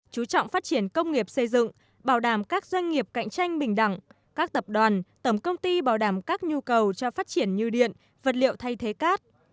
chú trọng phát triển công nghiệp xây dựng bảo đảm các doanh nghiệp cạnh tranh bình đẳng các tập đoàn tổng công ty bảo đảm các nhu cầu cho phát triển như điện vật liệu thay thế cát